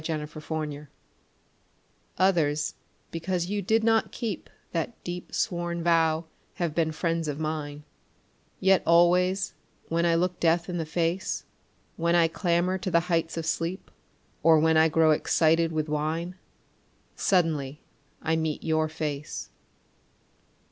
A DEEP SWORN VOW Others because you did not keep That deep sworn vow have been friends of mine; Yet always when I look death in the face, When I clamber to the heights of sleep, Or when I grow excited with wine, Suddenly I meet your face.